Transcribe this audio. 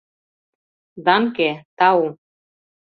Данке — тау.